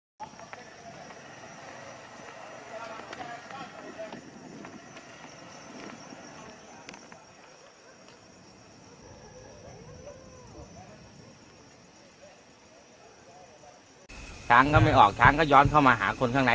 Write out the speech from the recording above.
ต้นออกทางนี้ได้มากว่าย้อนเข้ามาหาคนข้างใน